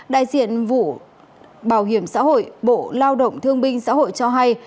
đại diện vụ bảo hiểm xã hội bộ lao động thương binh xã hội cho hay